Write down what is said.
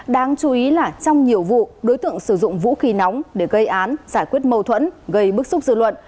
đáng chú ý là trong nhiều vụ đối tượng sử dụng vũ khí nóng để gây án giải quyết mâu thuẫn gây bức xúc dư luận